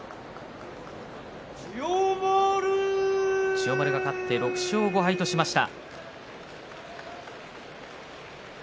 千代丸が勝って６勝５敗としました。